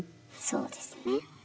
そうですね。